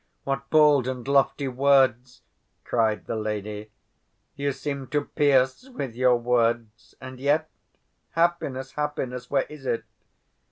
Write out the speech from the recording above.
What bold and lofty words!" cried the lady. "You seem to pierce with your words. And yet—happiness, happiness—where is it?